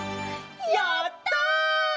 やった！